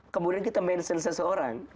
kemudian kita mention seseorang